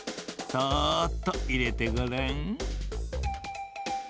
そっといれてごらん。